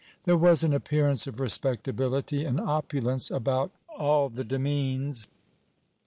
There was an appearance of respectability and opulence about all the demesnes.